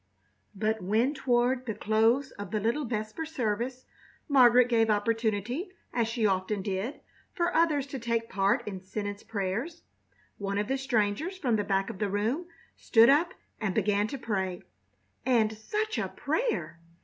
But when toward the close of the little vesper service Margaret gave opportunity, as she often did, for others to take part in sentence prayers, one of the strangers from the back of the room stood up and began to pray. And such a prayer!